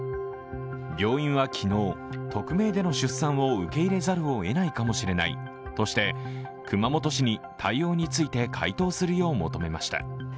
病院は昨日、匿名での出産を受け入れざるをえないかもしれないとして熊本市に対応について回答するよう求めました。